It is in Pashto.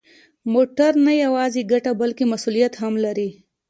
موټر نه یوازې ګټه، بلکه مسؤلیت هم لري.